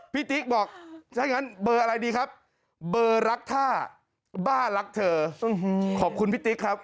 ติ๊กบอกถ้าอย่างนั้นเบอร์อะไรดีครับเบอร์รักท่าบ้ารักเธอขอบคุณพี่ติ๊กครับ